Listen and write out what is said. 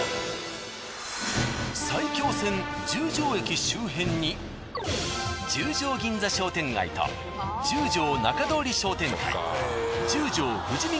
埼京線十条駅周辺に十条銀座商店街と十条仲通り商店会十条富士見